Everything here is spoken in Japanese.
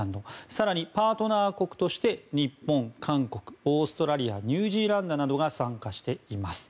更にパートナー国として日本、韓国、オーストラリアニュージーランドなどが参加しています。